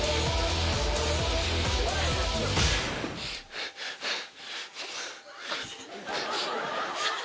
ハァハァ。